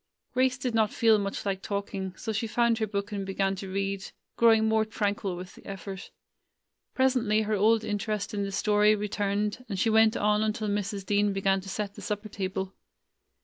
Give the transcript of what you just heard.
Grace did not feel much like talking, so she found her book and began to read, growing more tranquil with the effort. Presently her old interest in the story returned, and she went on until Mrs. Dean began to set the supper table.